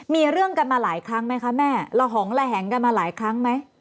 มีเรื่องกันมาหลายครั้งไหมคะแม่ละหองระแหงกันมาหลายครั้งไหม